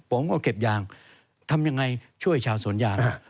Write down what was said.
ผมก็เก็บยางทำยังไงช่วยชาวสวนยาง